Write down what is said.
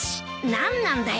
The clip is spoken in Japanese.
何なんだよ